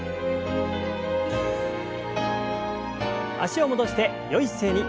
脚を戻してよい姿勢に。